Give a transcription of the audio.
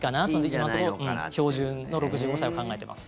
今のところ標準の６５歳を考えてます。